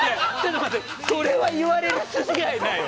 それは言われる筋合いないわ。